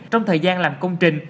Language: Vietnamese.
trong thời gian làm công trình